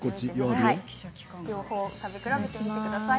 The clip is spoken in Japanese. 両方食べ比べてみてください。